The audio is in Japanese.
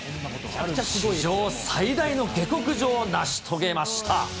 史上最大の下克上を成し遂げました。